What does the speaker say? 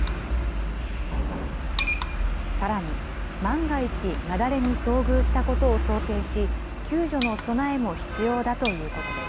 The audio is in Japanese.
さらに、万が一雪崩に遭遇したことを想定し、救助の備えも必要だということです。